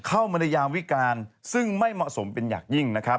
เข้ามนายามวิการซึ่งไม่เหมาะสมเป็นอย่างยิ่ง